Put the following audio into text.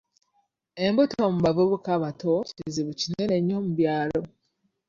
Embuto mu bavubuka abato kizibu kinene nnyo mu byalo.